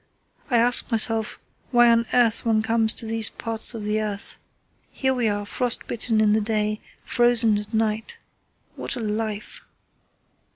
I ask myself why on earth one comes to these parts of the earth. Here we are, frostbitten in the day, frozen at night. What a life!"